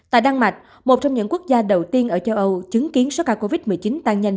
tại đan mạch một trong những quốc gia đầu tiên ở châu âu chứng kiến số ca covid một mươi chín tăng nhanh